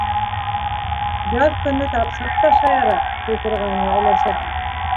«Яҙ көнө тапсыҡ та шаяра!» - ти торғайны өләсәһе.